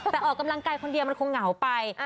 แต่ออกกำลังกายคนเดียวมันคงเหงาไป